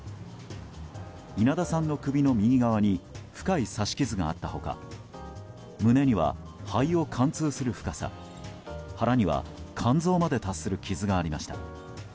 稲田さんの首の右側に深い刺し傷があった他胸には肺を貫通する深さ腹には肝臓まで達する傷がありました。